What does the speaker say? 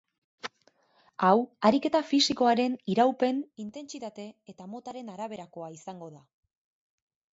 Hau ariketa fisikoaren iraupen, intentsitate eta motaren araberakoa izango da.